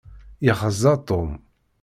Yexza Tom.